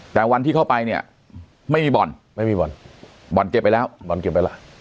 แต่วันที่เข้าไปเนี่ยไม่มีบ่อนไม่มีบ่อนบ่อนเก็บไปแล้วบ่อนเก็บไปแล้ว